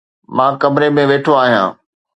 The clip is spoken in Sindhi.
مان ڪمري ۾ ويٺو آهيان